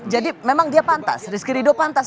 jadi memang dia pantas rizky ridho pantas